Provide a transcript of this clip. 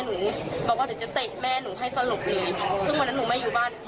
พอหนูรู้เรื่องหนูก็เลยคลิกจากมาถึงแม่